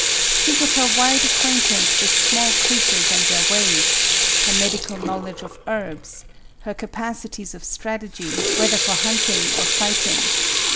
Think of her wide acquaintance with small creatures and their ways, — her medical knowledge of herbs, — her capacities of strategy, whether for hunting or fighting